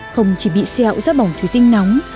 không chỉ bị sẹo do bỏng thủy tinh nóng